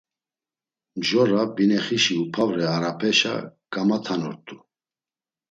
Mjora, binexişi upavre arapeşa gamatanurt̆u.